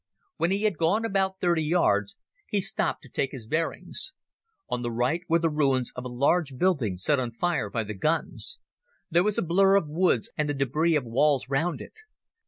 When he had gone about thirty yards he stopped to take his bearings. On the right were the ruins of a large building set on fire by the guns. There was a blur of woods and the debris of walls round it.